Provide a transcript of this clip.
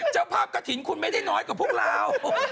เจ้าภาพกระถิ่นคุณไม่ได้น้อยกว่าพวกเรา